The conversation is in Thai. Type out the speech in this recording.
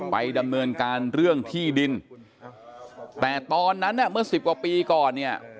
ไปดำเนินการเรื่องที่ดินแต่ตอนนั้นน่ะเมื่อสิบกว่าปีก่อนเนี่ย